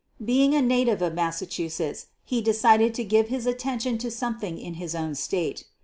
• Being a native of Massachusetts, he decided to > give his attention to something in his own State.